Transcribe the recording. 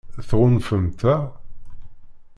Tɣunfamt-aɣ?